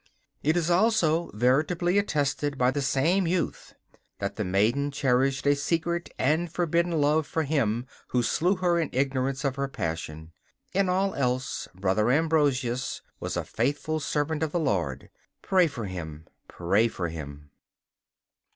It is also veritably attested by the same youth that the maiden cherished a secret and forbidden love for him who slew her in ignorance of her passion. In all else Brother Ambrosius was a faithful servant of the Lord. Pray for him, pray for him!